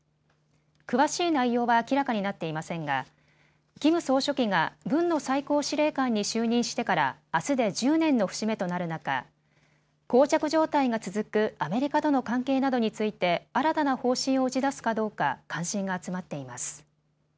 詳しい内容は明らかになっていませんがキム総書記が軍の最高司令官に就任してから、あすで１０年の節目となる中、こう着状態が続くアメリカとの関係などについて新たな方針を打ち出すかどうか関心が集まっています。